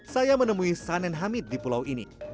saya menemui sanen hamid di pulau ini